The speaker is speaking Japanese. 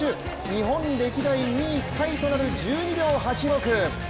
日本歴代２位タイとなる１２秒８６。